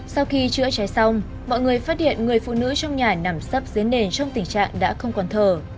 sau khi chữa cháy xong mọi người phát hiện người phụ nữ trong nhà nằm sắp dến nền trong tình trạng đã không còn thở